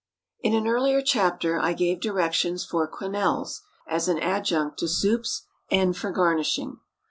In an earlier chapter I gave directions for quenelles as an adjunct to soups and for garnishing.